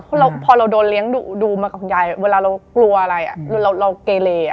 ตัวเลี้ยงดูมากับคนใหญ่เวลาเราเกลียดอะไรเราเกลียด